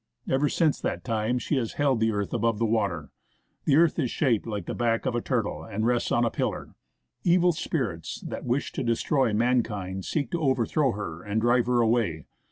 Ever since that time she has held the earth above the water. The earth is shaped like the back of a turtle, and rests on a pillar. Evil spirits that wish to destroy mankind seek to overthrow her and drive her away.